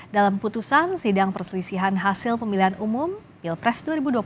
dalam putusan sidang perselisihan hasil pemilihan umum pilpres dua ribu dua puluh